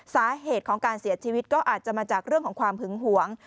สาเหตุของการเสียชีวิตก็อาจจะมาจากเรื่องของความหึงหวง